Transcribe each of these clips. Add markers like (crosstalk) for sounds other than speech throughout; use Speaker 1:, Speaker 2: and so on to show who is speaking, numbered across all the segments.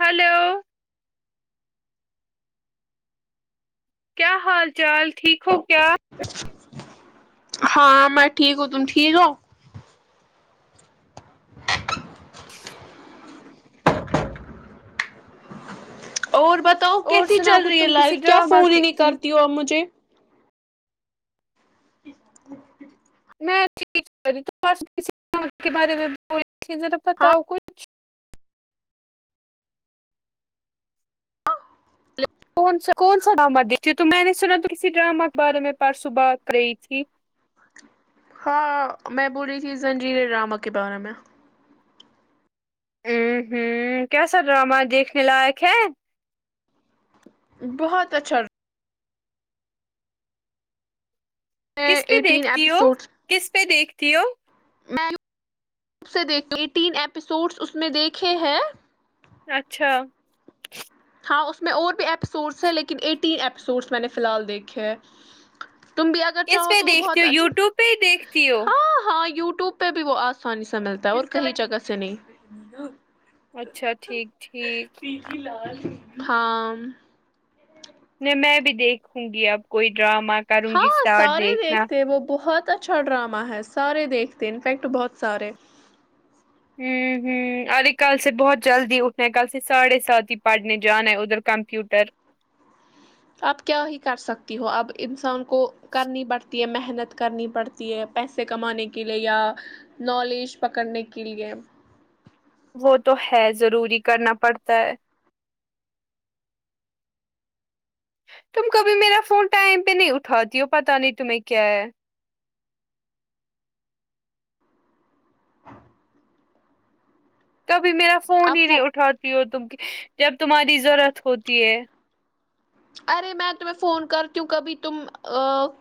Speaker 1: Hello کیا حال چال ٹھیک ہو کیا
Speaker 2: ہاں میں ٹھیک ہوں تم ٹھیک ہو اور بتاؤ
Speaker 1: اور
Speaker 2: کیسی
Speaker 1: سناؤ
Speaker 2: چل
Speaker 1: کچھ
Speaker 2: رہی ہے
Speaker 1: تم کسی
Speaker 2: لائف کیا
Speaker 1: ڈرامہ
Speaker 2: فون ہی
Speaker 1: کی
Speaker 2: نہیں
Speaker 1: تم
Speaker 2: کرتی ہو آپ مجھے
Speaker 1: میں ٹھیک ہوں (inaudible) بارے میں ذرا
Speaker 2: ہاں
Speaker 1: پتاؤ کچھ کون سا کون سا ڈرامہ دیکھتی تو میں نے سنا تو کسی ڈرامہ کے بارے میں پرسو بات رہی تھی
Speaker 2: ہاں میں بول رہی تھی زنجیر ڈراما کے بارے میں
Speaker 1: ہمم ہمم کیسا ڈرامہ دیکھنے لائق ہے
Speaker 2: بہت اچھا میں
Speaker 1: کس پہ
Speaker 2: ایٹین
Speaker 1: دیکھتی ہو
Speaker 2: ایپیسوڈس
Speaker 1: کس پہ دیکھتی ہو
Speaker 2: میں نےب دیکھتی تین ایپیسوڈس اس میں دیکھے ہیں
Speaker 1: اچھا
Speaker 2: ہاں اس میں اور بھی اپپیسوڈس ہیں لیکن ایٹین ایپیسوڈس میں نے فی الحال دیکھے ہے تم بھی اگر
Speaker 1: کس پہ
Speaker 2: چاہو تو وہ
Speaker 1: دیکھتی
Speaker 2: بہت
Speaker 1: ہو
Speaker 2: اچھا
Speaker 1: یوٹیوب پہ ہی دیکھتی ہو
Speaker 2: ہاں ہاں یوٹیوب پہ بھی وہ آسانی سے ملتا ہے اور کی جگہ سے نہیں
Speaker 1: اچھا ٹھیک ٹھیک
Speaker 2: ہاں
Speaker 1: نہیں میں بھی دیکھوں گی اب کوئی ڈرامہ کروں گی
Speaker 2: ہاں
Speaker 1: اسٹارٹ
Speaker 2: سارے
Speaker 1: دیکھنا
Speaker 2: دیکھتے وہ بہت بہت اچھا ڈرامہ ہے سارے دیکھتے انفیکٹ بہت سارے
Speaker 1: ہوں ہوں ارے کل سے بہت جلدی اٹھنا ہے کل سے ساڑھے سات ہی پڑھنے جانا ہے ادھر کمپیوٹر
Speaker 2: اب کیا ہی کر سکتی ہو اب انسان کو کرنی پڑتا محنت کرنی پڑتی ہے پیسے کمانے کے لیے یا نالج پکڑنے کے لیے
Speaker 1: وہ تو ہے ضروری کرنا پڑتا ہے تم کبھی میرا فون ٹائم پہ نہیں اٹھاتی ہو پتا نہیں تمہیں کیا ہے کبھی میرا فون ہی
Speaker 2: آپ
Speaker 1: نہیں
Speaker 2: وہ
Speaker 1: اٹھاتی ہو تم کی جب تمہاری ضرورت ہوتی ہے
Speaker 2: ارے میں تمہیں فون کرتی ہوں کبھی تم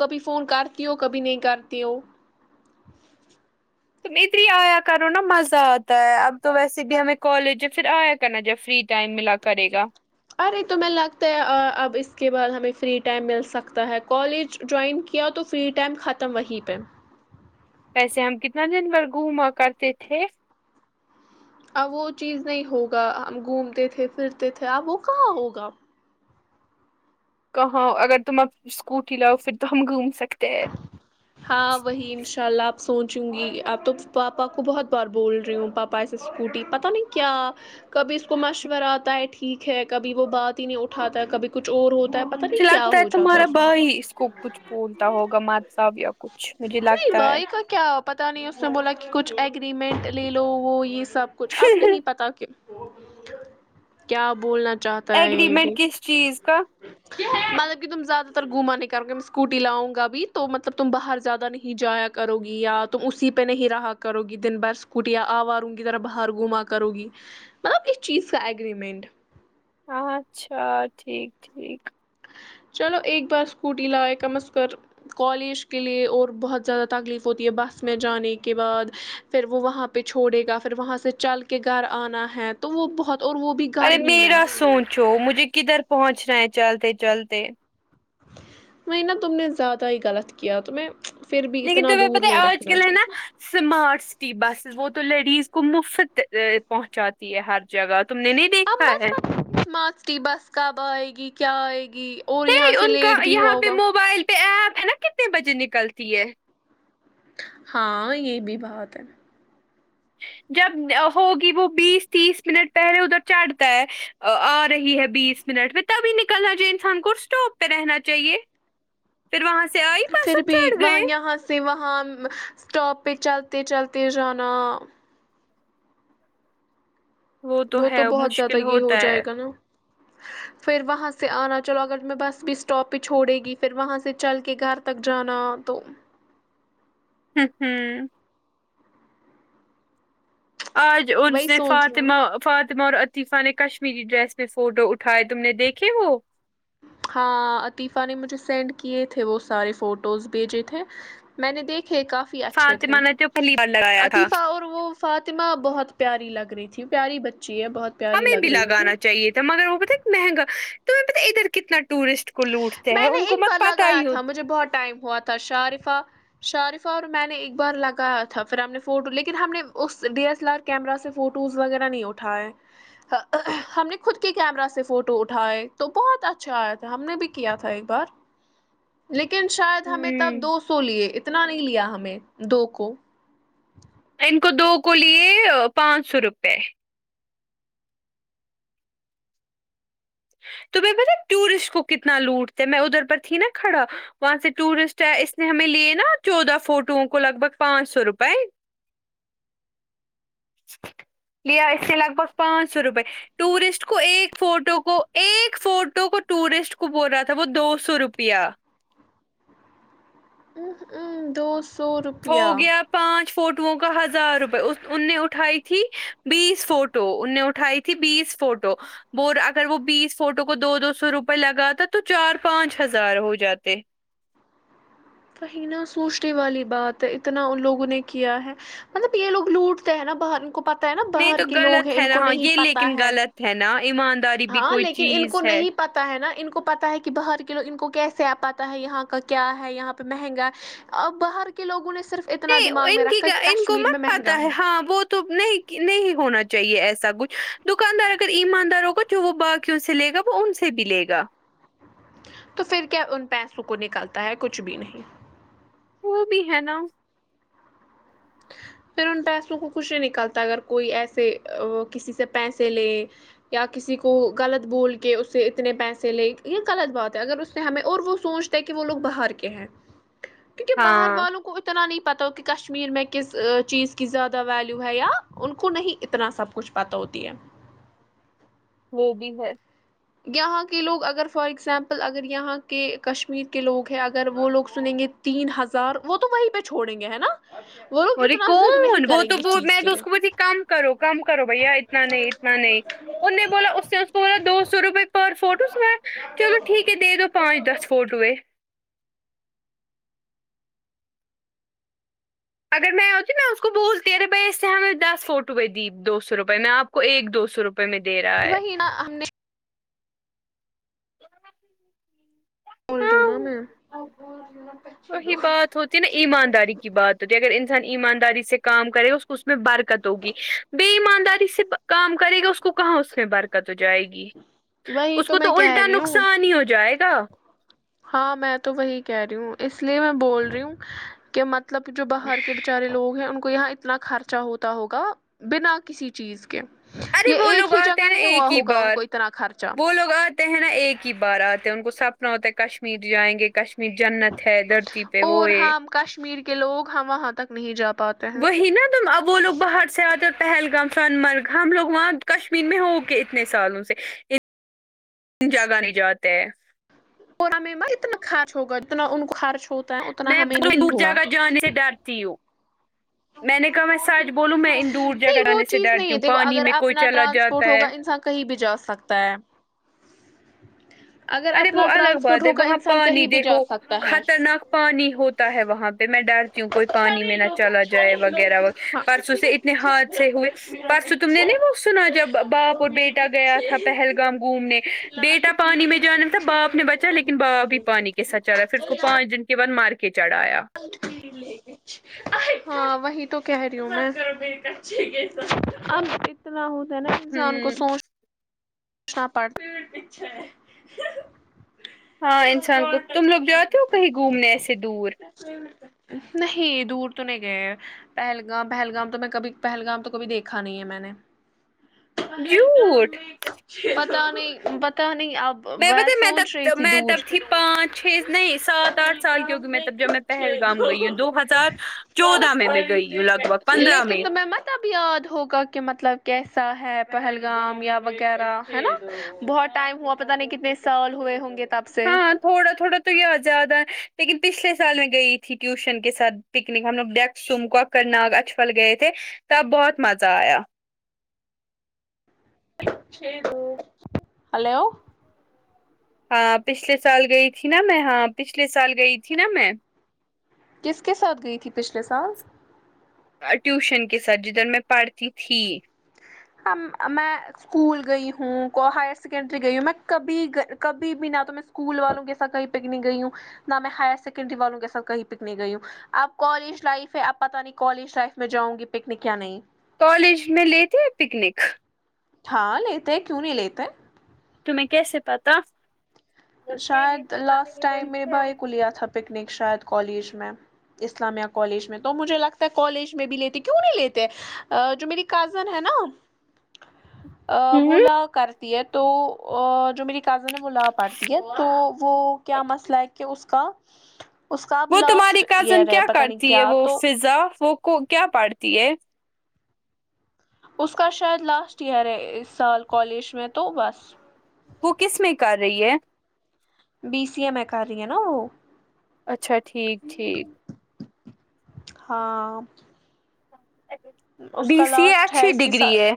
Speaker 2: کبھی فون کرتی ہو کبھی نہیں کرتی ہو
Speaker 1: تم ادھر ہی آیا کرو نا مزہ آتا ہے اب تو ویسے بھی ہمیں کالج ہے پھر آیا کرنا جب فری ٹائم ملا کرے گا
Speaker 2: ارے تمہیں لگتا ہے اب اس کے بعد ہمیں فری ٹائم مل سکتا ہے کالج جوائن کیا تو فری ٹائم ختم وہیں پہ
Speaker 1: ویسے ہم کتنا دن بھر گھوما کرتے تھے
Speaker 2: اب وہ چیز نہیں ہوگا ہم گھومتے تھے پھرتے تھے اب وہ کہاں ہوگا
Speaker 1: کہاں اگر تم اب اسکوٹی لاؤ پھر تو ہم گھوم سکتے ہیں
Speaker 2: ہاں وہی انشاء اللہ آپ سوچوں گی اپ تو پاپا کو بہت بار بول رہی ہوں پاپا پائے سے اسکوٹی پتا نہیں کیا کبھی اس کو مشورہ آتا ہے ٹھیک ہے کبھی وہ بات ہی نہیں اٹھاتا کبھی کچھ اور ہوتا ہے پتہ
Speaker 1: اچھ
Speaker 2: نہیں کیا
Speaker 1: لگتا ہے
Speaker 2: ہو جاتا
Speaker 1: تمہارا
Speaker 2: اس کو
Speaker 1: بھائی ہی اس کو کچھ بھولتا ہوگا مارتابی کچھ مجھے
Speaker 2: نہیں
Speaker 1: لگتا ہے
Speaker 2: بھائی کا کیا پتاہ نہیں اس نے بولا کہ کچھ ایگریمنٹ لے لو وہ یہ سب کچھ اب نہیں پتا کہ کیا بولنا چاہتا ہے یہ
Speaker 1: ایگریمنٹ
Speaker 2: بھی
Speaker 1: کس چیز کا
Speaker 2: مطلب کہ تم زیادہ تر گوما نہیں کروگے کہ اسکوٹی دلاؤں گا بھی تو مطلب تم باہر زیادہ نہیں جایا کرو گی یا تم اسی پہ نہیں رہا کرو گی دن بھر کٹیاں آوا رہوں کی طرح باہر گھوما کروں گی مطلب اس چیز کا اگریمنٹ
Speaker 1: آ اچھا ٹھیک ٹھیک
Speaker 2: چلو ایک بار اسکوٹی لائےائے کم از کر کالج کے لیے اور بہت زیادہ تکلیف ہوتی ہے بس میں جانے کے بعد پھر وہ وہاں پہ چھوڑے گا پھر وہاں سے چل کے گھر آنا ہے تو وہ بہت اور وہ بھی
Speaker 1: ارے
Speaker 2: گرمی میں
Speaker 1: میرا سوچو مجھے کدھر پہنچنا ہے چلتے چلتے
Speaker 2: وہی نا تم نے زیادہ ہی غلط کیا تمہے
Speaker 1: لیکن تمہیں پتہ ہے آج کل ہے نا سمارٹ سٹی بسیز وہ تو لیڈیز کو مفت پہنچاتی ہے ہر جگہ تم نے نہیں
Speaker 2: اب
Speaker 1: دیکھا ہے
Speaker 2: (unintelligible) مارٹی بس کب آئے گی کیا آئے گی اور یہاں سے
Speaker 1: ان کا
Speaker 2: لیٹ بھی ہوا
Speaker 1: یہاں پہ
Speaker 2: ہوگا
Speaker 1: موبائل پہ ایپ ہے نا کتنے بجے نکلتی ہے
Speaker 2: ہاں یہ بھی بات ہے
Speaker 1: جب ہوگی وہ بیس تیس منٹ پہلے ادھر چڑھتا ہے آ رہی ہے بیس منٹ میں تبھی نکلنا چاہے انسان کو اسٹاپ پہ رہنا چاہیے پھر وہاں سے آئی بس سب چڑھ گئے
Speaker 2: پے وہاں اسٹاپ پہ چلتے چلتے جانا
Speaker 1: وہ تو ہے
Speaker 2: بہت زیادہ
Speaker 1: مشکل
Speaker 2: یہ ہو
Speaker 1: ہوتا ہے
Speaker 2: جائے گا نا پھر وہاں سے آنا چلو اگر میں بس بھی اسٹاپ پہ چھوڑے گی پھر وہاں سے چل کے گھر تک جانا تو
Speaker 1: ہوں ہوں آج ان
Speaker 2: وہی
Speaker 1: سے
Speaker 2: سوچ رہا
Speaker 1: فاطمہ
Speaker 2: ہوں
Speaker 1: فاطمہ اور عطیفہ نے کشمیری ڈریس پہ فوٹو اٹھائے تم نے دیکھے وہ
Speaker 2: ہاں عطیفہ نے مجھے سینڈ کیے تھے وہ سارے فوٹوز بھیجے تھے میں نے دیکھے کافی اچھے تھے
Speaker 1: فاطمہ نے تو پہلی بار لگایا تھا
Speaker 2: عطیفہ اور وہ فاطمہ بہت پیاری لگ رہی تھی پیاری بچی ہے بہت پیاری
Speaker 1: ہمیں
Speaker 2: لگ
Speaker 1: بھی
Speaker 2: رہی تھی
Speaker 1: لگانا چاہیے تھا مگر وہ پتا مہنگا تو ہم پتا ادھر کتنا ٹورسٹ کو لوٹ
Speaker 2: میں نے ایک بار لگایا تھا مجھے بہت ٹائم ہوا تھا شارفہ شارفہ اور میں نے ایک بار لگایا تھا پھر ہم نے فوٹو لیکن ہم نے اس D S L R camera سے فوٹوز وغیرہ نہیں اٹھاے ہم نے خود کے کیمرہ سے فوٹو اٹھائے تو بہت اچھا آیا تھا ہم نے بھی کیا تھا ایک بار لیکن شاید ہمیں تب
Speaker 1: ہوں
Speaker 2: دو سو سو لیے اتنا نہیں لیا ہمیں دو کو
Speaker 1: ان کو دو کو لیے پانچ سو روپے تومے پتا ہے ٹورسٹ کو کتنا لوٹتے ہی میں ادھر پر تھی نا کھڑا وہاں سے ٹورسٹ ہے اس نے ہمیں لیے نا چودہ فوٹووں کو لگ بھگ پانچ سو روپئے لیا اس کے لگ بگ پانچ س روپئے ٹورسٹ کو ایک فوٹو کو ایک فوٹو کو ٹورسٹ کو بول رہا تھا وہ دو سو روپیہ
Speaker 2: دوس
Speaker 1: ہو گیا پانچ فوٹوؤں کا ہزار روپئے اس ان نے اٹھائی تھی بیس فو ٹو ان نے اٹھائی تھی بیس فوٹو بور اگر وہ بیس فوٹو کو دو دو سو روپئے لگاتا تو چار پانچ ہزار ہو جاتے
Speaker 2: وہی نہ سونچنے والی بات ہے اتنا ان لوگوں نے کیا ہے مطلب یہ لوگ لوٹتے ہیں نہ باہر ان کو پتہ ہے نا
Speaker 1: نہیں
Speaker 2: باہر
Speaker 1: تو
Speaker 2: کے لوگ
Speaker 1: غلط
Speaker 2: ہیں
Speaker 1: ہے
Speaker 2: ان
Speaker 1: نا
Speaker 2: کو
Speaker 1: ہاں یہ
Speaker 2: نہیں پتہ
Speaker 1: لیکن
Speaker 2: ہے
Speaker 1: غلط ہے نہ ایمانداری بھی کوئی چیز ہے
Speaker 2: پتہ ہے نہ ان کو پتہ ہے کہ باہر کے لوگ ان کو کیسے آ پاتا ہے یہاں کا کیا ہے یہاں پہ مہنگا اب باہر کے لوگوں نے صرف اتنا
Speaker 1: اے او ۓ
Speaker 2: دماغ
Speaker 1: ان
Speaker 2: میں
Speaker 1: کی
Speaker 2: رکھا کہ
Speaker 1: ان کو
Speaker 2: کشمیر میں
Speaker 1: مت پتہ
Speaker 2: مہنگا
Speaker 1: ہے ہاں وہ تو نہیں نہیں ہونا چاہیے ایسا کچھ دکاندار اگر ایماندار ہوگا جو وہ باق یوں سے لے گا وہ ان سے بھی لے گا
Speaker 2: تو فر کیا ان پیسوں کو نکلتا ہے کچھ بھی نہیں
Speaker 1: وہ بھی ہے نہ
Speaker 2: پھر ان پیسوں کو کچھ ہی نکلتا اگر کوئی ایسے وہ کسی سے پینسے لے یا کسی کو غلط بول کے اس سے اتنے پینسے لے یہ غلط بات ہے اگر اس نے ہمیں اور وہ سوچ تاہے کہ وہ لوگ باہر کے ہیں کیونکہ باہر
Speaker 1: ہاں
Speaker 2: والوں کو اتنا نہیں پتہ ہوکہ کشمیر میں کس چیز کی زیادہ ویلیو ہے یا ان کو نہیں اتنا سب کچھ پتہ ہوتی ہے
Speaker 1: وہ بھی ہے
Speaker 2: یہاں کے لوگ اگر فار اگزامپل اگر یہاں کے کشمیر کے لوگ ہیں اگر وہ لوگ سنیں گے تین ہزار وہ تو وہیں پہ چھوڑیں گے ہے نہ
Speaker 1: ار ے کون وہ تو وہ میں تو اس
Speaker 2: لیے
Speaker 1: کو بھی دی کم کرو کم کرو بھیا اتنا نہیں اتنا نہیں ان نے بولا اس سے بولا دو سو روپئے پر فوٹوز ہو ۓ چلو ٹھیک ہے دے دو پانچ دس فوٹو یں اگر میں ہوتی نہ اس کو بولتی ا رے بھئی اس سے ہمیں دس فوٹو یں دی دو سو روپئے میں آپ کو ایک دو سو روپ ۓ میں دے رہا ہے
Speaker 2: وہی نا ہم نے
Speaker 1: ہاں
Speaker 2: بولتیو ں نہ میں
Speaker 1: وہی بات ہوتی ہے نہ ایمانداری کی بات اگر انسان ایمانداری سے کام کرے گا اس کو اس میں برکت ہوگی بے ایمانداری سےب کام کرے گا اس کو کہاں اس میں برکت ہو جائے گی
Speaker 2: وہی
Speaker 1: اس کو
Speaker 2: میں
Speaker 1: تو
Speaker 2: کہہ
Speaker 1: الٹا
Speaker 2: رہی ہوں
Speaker 1: نقصان ہی ہو جائے گا
Speaker 2: ہاں میں تو وہی کہہ رہی ہوں اس لیے میں بول رہی ہوں کہ مطلب جو باہر کےبے چارے لوگ ہیں ان کو یہاں اتنا خرچہ ہوتا ہوگا بنا کسی چیز کے
Speaker 1: ارے
Speaker 2: یہ
Speaker 1: وہ لوگ
Speaker 2: ایک ہی
Speaker 1: آتے
Speaker 2: جگہ
Speaker 1: ہیں نا
Speaker 2: نہیں ہوا
Speaker 1: ایک ہی
Speaker 2: ہوگا ان
Speaker 1: بار
Speaker 2: کو اتنا خرچہ
Speaker 1: وہ لوگ آتے ہیں نہ ایک ہی بار آتے ہے ان کو سپنہ ہوتا ہے کشمیر جائیں گے کشمیر جنت ہے دھرتی پہ
Speaker 2: اور
Speaker 1: وہ یہ
Speaker 2: ہم کشمیر کے لوگ ہم وہاں تک نہیں جا پاتے ہیں
Speaker 1: وہی نہ تم اب وہ لوگ باہر سے آتے پہلگام سن مرگ ہم لوگ وہاں کشمیر میں ہو کے اتنے سالوں سے جگہ نہیں جاتے
Speaker 2: اورہمیں ما اتنا خرچ ہوگا اتنا ان کو خرچ ہو
Speaker 1: میں ب دور جگہ جانے سے ڈرتی ہوں میں نے کہا میں سچ بولوں میں ان دور جا
Speaker 2: نہیں وہ
Speaker 1: کرجانے سے
Speaker 2: چیز نہیں
Speaker 1: ڈرتی
Speaker 2: ہے
Speaker 1: ہوں
Speaker 2: دیکھو
Speaker 1: پانی
Speaker 2: اگر
Speaker 1: میں کوئی
Speaker 2: اپنا
Speaker 1: چلا
Speaker 2: ٹرانسپورٹ
Speaker 1: جاتا ہے
Speaker 2: ہوگا انسان کہیں بھی جا سکتا ہے اگر
Speaker 1: ارے وہ
Speaker 2: اپنا
Speaker 1: الگ
Speaker 2: ٹرانسپورٹ
Speaker 1: بات ہے
Speaker 2: ہوگا
Speaker 1: وہاں
Speaker 2: انسان کہیں
Speaker 1: پانی
Speaker 2: بھی جا
Speaker 1: دیکھو
Speaker 2: سکتا ہے
Speaker 1: خطرناک پانی ہوتا ہے وہاں پہ میں ڈرتی ہوں کوئی پانی میں نہ چلا ج اۓ وغیرہ و
Speaker 2: ہاں
Speaker 1: پرسوں سے اتنے حادثے ہوئے پرسوں تم نے نہیں وہ سنا جب باپ اور بیٹا گیا تھا پہلگام گھومنے بیٹا پانی میں جانا تھا باپ نے بچا لیکن باپ ہی پانی کے ساتھ چلا پھر اس کو پانچ دن کے بعد ما ر کے چڑھایا
Speaker 2: (unintelligible) ہاں وہی تو کہہ رہی ہوں میں اتلا ہوتا ہے نا انسان کو
Speaker 1: ہوں
Speaker 2: سوچ نہ پڑ
Speaker 1: ہاں انسان کو تم لوگ جاتے ہو کہیں گھومنے ایسے دور
Speaker 2: نہیں دور تو نہیں گئے پہلگام پہلگام تو میں کبھی پہلگام تو کبھی دیکھا نہیں ہے میں نے
Speaker 1: جھوٹ
Speaker 2: پہلگام میں پ تا نہیں پتا نہیں آپ
Speaker 1: میں
Speaker 2: وے
Speaker 1: پتا میں
Speaker 2: سوچ رہی
Speaker 1: تب
Speaker 2: تھی
Speaker 1: میں
Speaker 2: دور
Speaker 1: تب تھی پانچ چھ نہیں سات آٹھ سال کی ہوگی میں تب جب میں پہلگام گئی ہوں دو ہزار چودہ میں میں گئی ہوں لگ بھگ پندرہ
Speaker 2: لیکن ت میں م مب یاد ہوگا کہ مطلب کیسا ہے پہلگام یا وغیرہ ہے نا بہت ٹائم ہوا پتا نہیں کتنے سال ہوئے ہوں گے تب سے
Speaker 1: ہاں تھوڑا تھوڑا تو یہ زیادہ لیکن پچھلے سال میں گئی تھی ٹیوشن کے ساتھ پکنک ہم لوگ ڈیک سم کواک کرنا اکسوال گئے تھے تب بہت مزہ آیا
Speaker 2: ہلو
Speaker 1: ہاں پچھلے سال گئی تھی نا میں ہاں پچھلے سال گئی تھی نا میں
Speaker 2: کس کے ساتھ گئی تھی پچھلے سال
Speaker 1: ٹیوشن کے ساتھ جدھر میں پڑھتی تھی
Speaker 2: ہم ا میں اسکول گئی ہوں کو ہائر سیکنڈری گئی ہوں میں کبھی کبھی بھی نہ تو میں سکول وال کے ساتھ کہیں پکنک گی ہوں نہ میں ہائر سیکنڈری والوں کے ساتھ کہی پکنک گی ہوں اپ کالج لائف ہے آپ پتہ نہیں کالج لائف میں جاؤں گی پکنک یا نہیں
Speaker 1: کالج میں لیتے ہیں پکنک
Speaker 2: ہاں لیتے ہیں کیوں نہیں لیتے
Speaker 1: تمہے کیسے پتہ
Speaker 2: شاید لاسٹ ٹائم میرے بھائی کو لیا تھا پکنک شاید کالج میں اسلامیہ کالج میں تو مجھے لگتا ہے کالج میں بھی لیتے کیوں نہیں لیتے ا جو میری کزن ہے نا ا
Speaker 1: ہوں
Speaker 2: وہ لا کرتی ہے تو جو میری کازن ہے وہ لا پڑتی تو وہ کیا مسئلہ ہے کہ اس کا اس کا اب
Speaker 1: وہ تمہاری
Speaker 2: لاسٹ
Speaker 1: کزن
Speaker 2: ایئر ہے
Speaker 1: کیا
Speaker 2: پتا نہیں
Speaker 1: کرتی ہے
Speaker 2: کیا
Speaker 1: وہ
Speaker 2: تو
Speaker 1: فضا وہ کو کیا پڑھتی ہے
Speaker 2: اس کا شاید لاسٹ ایئر ہے اس سال کالج میں تو بس
Speaker 1: وہ کس میں کر رہی ہے
Speaker 2: بی سی ا ے میں کر رہی ہے نا وہ
Speaker 1: اچھا ٹھیک ٹھیک
Speaker 2: ہاں اس
Speaker 1: بی
Speaker 2: کا
Speaker 1: سی اے
Speaker 2: لاسٹ ہے
Speaker 1: اچھی
Speaker 2: اس کے سات
Speaker 1: ڈگری ہے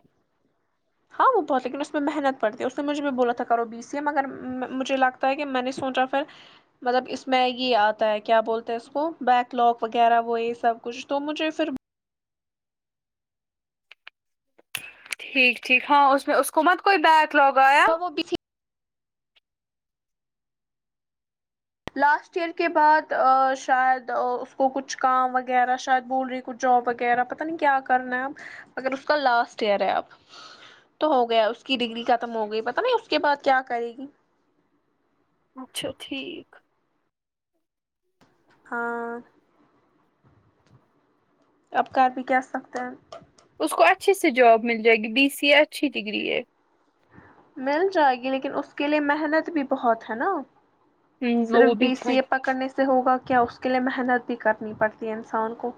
Speaker 2: ہاں وہ بہت لیکن اس میں محنت پڑتی ہے اس نے مجھے بھی بولا تھا کرو اس لیے مگر ما مجھے لگتا ہے کہ میں نے سوچا پھر مطلب اس میں یہ آتا ہے کیا بولتے اس کو بیک لوک وغیرہ وہ یہ سب کچھ تو مجھے پھر
Speaker 1: ٹھیک ٹھیک ہاں اس میں اس کو مت کوئی بیک لگ آیا
Speaker 2: (unintelligible) لاسٹ ایئر کے بعد شاید اس کو کچھ کام وغیرہ شاید بول رہی کچھ جاب وغیرہ پتا نہیں کیا کرنا ہے اب مگر اس کا لاسٹ ایئر ہے اب تو ہو گیا اس کی ڈگری ختم ہو گئی پتا نہیں اس کے بعد کیا کرے گی
Speaker 1: اچھا ٹھیک
Speaker 2: ہاں اب کر بھی کیا سکتے ہیں
Speaker 1: اس کو اچھے سے جاب مل جائے گی بی سی اے اچھی ڈگری ہے
Speaker 2: مل جائے گی لیکن اس کے لیے محنت بھی بہت ہے نا
Speaker 1: ہوں
Speaker 2: صرف
Speaker 1: وہ بھی
Speaker 2: بی سی
Speaker 1: ہے۔
Speaker 2: اے پکڑنے سے ہوگا کیا اس کے لیے محنت بھی کرنی پڑتی ہے انسان کو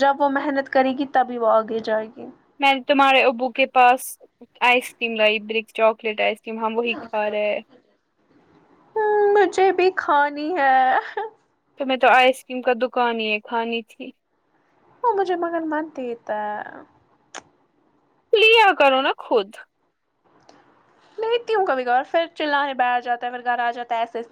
Speaker 2: جب وہ محنت کرے گی تبھی وہ آگے جائے گی
Speaker 1: میں نے تمہارے ابو کے پاس آئس کریم لائی بریک چاکلیٹ آئس کر ہم وہی کھا رہے ہیں
Speaker 2: مجھے بھی کھانی ہے
Speaker 1: تمہے تو آئس کریم کا دکان ہی کھانی تھی
Speaker 2: وہ مجھے مغن مانتی تھا
Speaker 1: لیا کرو نا خود
Speaker 2: لیتی ہوں کبھی کار پھر چلا ہے بٹر جاتا ہے پھر گھر آ جاتا ایسے ایسے